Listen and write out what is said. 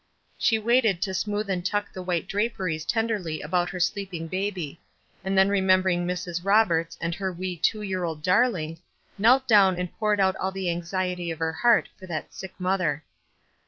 She waited to smooth and tuck the white draperies tenderly about her sleeping baby ; and then remembering Mrs. Eobcrts and her wee two year old darling, knelt down and poured out all the anxiety of her heart for that WISE AND OTHERWISE. 273 sick mother.